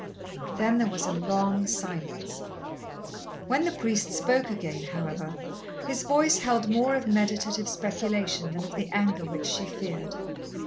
Then there was a long silence. When the priest spoke again, however, his voice held more of meditative speculation than of the anger which she feared.